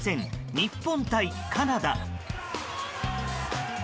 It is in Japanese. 日本対カナダ。